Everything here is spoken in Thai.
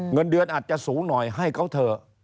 เงินเดือนอาจจะสูงหน่อยให้เขาเถอะ